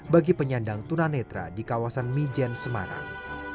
bagi penyandang tunanetra di kawasan mijen semarang